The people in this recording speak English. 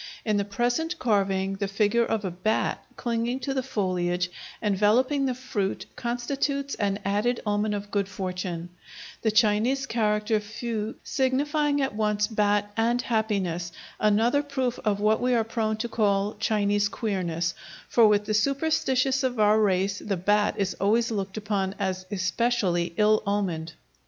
In the present carving the figure of a bat clinging to the foliage enveloping the fruit constitutes an added omen of good fortune, the Chinese character fu signifying at once "bat" and "happiness," another proof of what we are prone to call Chinese queerness, for with the superstitious of our race the bat is always looked upon as especially ill omened.